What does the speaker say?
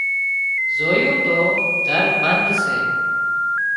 زويون تو در بند سي